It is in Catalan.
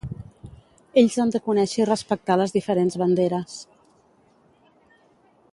Ells han de conèixer i respectar les diferents banderes.